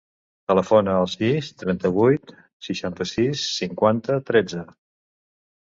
Telefona al sis, trenta-vuit, seixanta-sis, cinquanta, tretze.